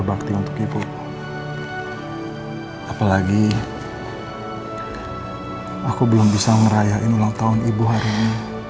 apalagi aku belum bisa merayakan ulang tahun ibu hari ini